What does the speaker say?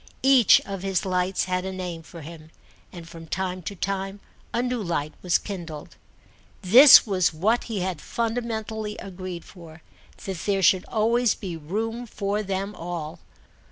Each of his lights had a name for him, and from time to time a new light was kindled. This was what he had fundamentally agreed for, that there should always be room for them all.